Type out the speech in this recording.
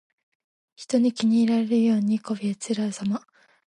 人に気に入られるようにこびへつらうさま。